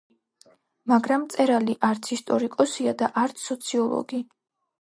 მაგრამ მწერალი არც ისტორიკოსია და არც სოციოლოგი.